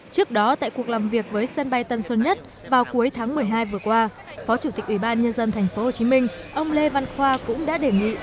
trước đó tại cuộc làm việc với sân bay tân sơn nhất vào cuối tháng một mươi hai vừa qua phó chủ tịch ủy ban nhân dân tp hcm ông lê văn khoa cũng đã đề nghị